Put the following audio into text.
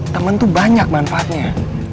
temen tuh banyak manfaatnya